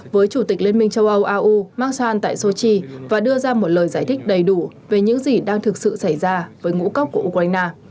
với chủ tịch liên minh châu âu au massan tại sochi và đưa ra một lời giải thích đầy đủ về những gì đang thực sự xảy ra với ngũ cốc của ukraine